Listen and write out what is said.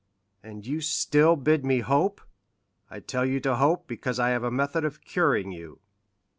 "And you still bid me hope?" "I tell you to hope, because I have a method of curing you."